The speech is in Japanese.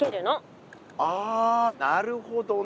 ああなるほどね。